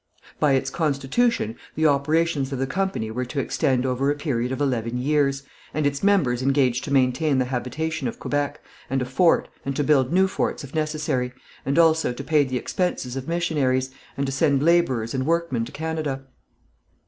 By its constitution the operations of the company were to extend over a period of eleven years, and its members engaged to maintain the habitation of Quebec, and a fort, and to build new forts if necessary, and also to pay the expenses of missionaries, and to send labourers and workmen to Canada.